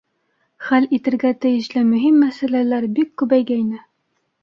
Хәл итергә тейешле мөһим мәсьәләләр бик күбәйгәйне.